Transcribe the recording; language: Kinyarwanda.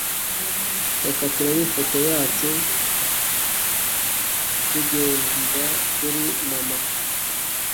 Reka turebe ifoto yacu togehter kuri mama.